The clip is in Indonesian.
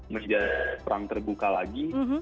menjadi perang terbuka lagi